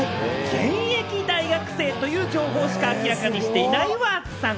現役大学生という情報しか明らかにしていないＷｕｒｔＳさん。